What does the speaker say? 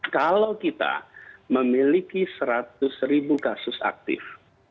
kalau kita memiliki seratus ribu kasus aktif